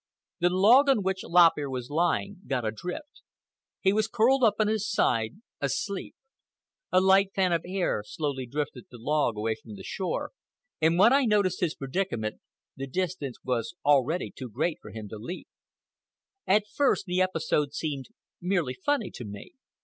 The log on which Lop Ear was lying got adrift. He was curled up on his side, asleep. A light fan of air slowly drifted the log away from the shore, and when I noticed his predicament the distance was already too great for him to leap. At first the episode seemed merely funny to me.